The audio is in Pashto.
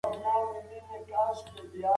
غلام تر خپل ځان نورو ته ترجیح ورکړه.